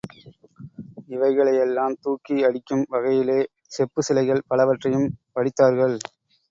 இவைகளையெல்லாம் தூக்கி அடிக்கும் வகையிலே செப்புச் சிலைகள் பலவற்றையும் வடித்தார்கள்.